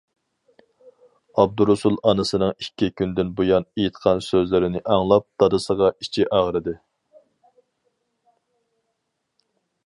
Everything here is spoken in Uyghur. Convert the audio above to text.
ئابدۇرۇسۇل ئانىسىنىڭ ئىككى كۈندىن بۇيان ئېيتقان سۆزلىرىنى ئاڭلاپ، دادىسىغا ئىچى ئاغرىدى.